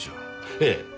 ええ。